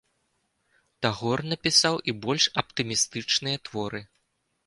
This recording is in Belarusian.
Тагор напісаў і больш аптымістычныя творы.